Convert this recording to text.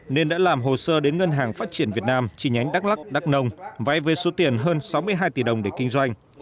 nên đã làm hồ sơ đến ngân hàng phát triển việt nam chi nhánh đắk lắc đắk nông vay với số tiền hơn sáu mươi hai tỷ đồng để kinh doanh